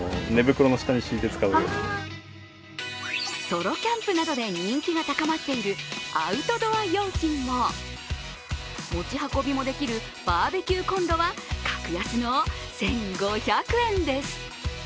ソロキャンプなどで人気が高まっているアウトドア用品も持ち運びもできるバーベキューコンロは格安の１５００円です。